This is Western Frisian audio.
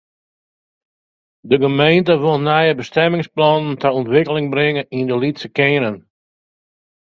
De gemeente wol nije bestimmingsplannen ta ûntwikkeling bringe yn de lytse kearnen.